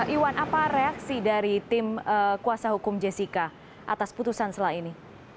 iwan apa reaksi dari tim kuasa hukum jessica atas putusan sela ini